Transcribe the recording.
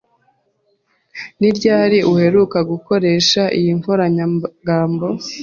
Ni ryari uheruka gukoresha iyi nkoranyamagambo?